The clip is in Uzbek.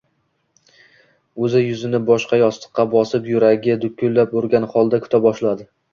oʼzi yuzini boshqa yostiqqa bosib, yuragi dukullab urgan holda kuta boshladi.